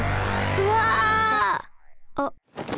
うわ！あっ。